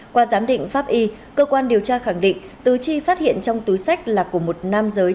qua giám định pháp y cơ quan điều tra khẳng định tứ chi phát hiện trong túi sách là của một nam giới